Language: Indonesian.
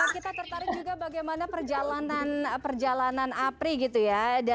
kita tertarik juga bagaimana perjalanan apri gitu ya